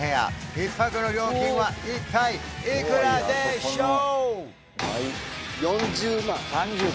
１泊の料金は一体いくらでしょう？